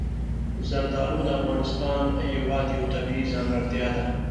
زردالو د افغانستان هېواد یوه طبیعي ځانګړتیا ده.